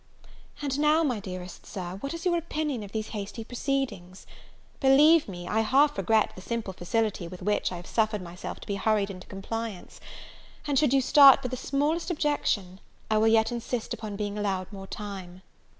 And now, my dearest Sir, what is your opinion of these hasty proceedings? Believe me, I half regret the simple facility with which I have suffered myself to be hurried into compliance; and, should you start but the smallest objection, I will yet insist upon being allowed more time.